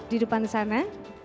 di depan sana